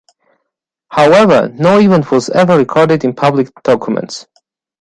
However no event was ever recorded in public documents.